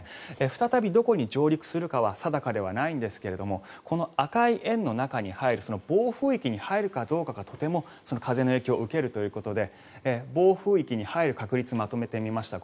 再びどこに上陸するかは定かではないんですがこの赤い円の中に入る暴風域に入るかどうかがとても風の影響を受けるということで暴風域に入る確率をまとめてみました。